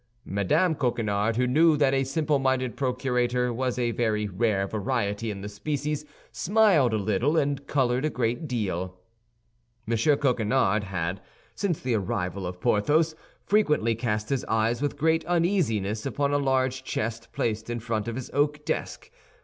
Mme. Coquenard, who knew that a simple minded procurator was a very rare variety in the species, smiled a little, and colored a great deal. M. Coquenard had, since the arrival of Porthos, frequently cast his eyes with great uneasiness upon a large chest placed in front of his oak desk.